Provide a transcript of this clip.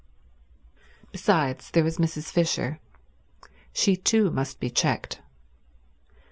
Besides, there was Mrs. Fisher. She too must be checked.